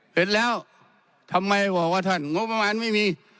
เห็นแล้วทำไมบอกว่าท่านงบประมาณไม่มี